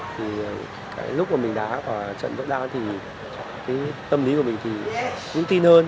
thì lúc mà mình đá vào trận giọt đa thì tâm lý của mình thì cũng tin hơn